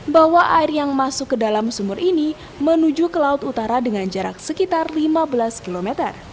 bahwa air yang masuk ke dalam sumur ini menuju ke laut utara dengan jarak sekitar lima belas km